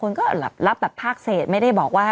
คนก็รับแบบภาคเศษไม่ได้บอกว่า